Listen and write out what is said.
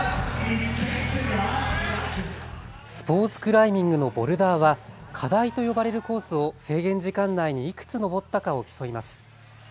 スポーツクライミングのボルダーは課題と呼ばれるコースを制限時間内にいくつ登ったかを競います。